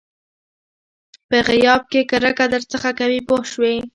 په غیاب کې کرکه درڅخه کوي پوه شوې!.